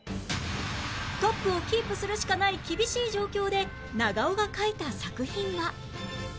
トップをキープするしかない厳しい状況で長尾が描いた作品は？